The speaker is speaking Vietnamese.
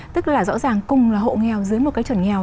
tức là rõ ràng cùng là hộ nghèo dưới một cái chuẩn nghèo